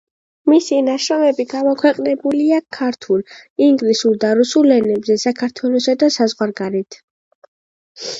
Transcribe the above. მისი ნაშრომები გამოქვეყნებულია ქართულ, ინგლისურ და რუსულ ენებზე საქართველოსა და საზღვარგარეთ.